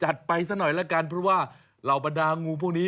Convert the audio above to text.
จัดไปซะหน่อยแล้วกันเพราะว่าเราบังดาลงงูพวกนี้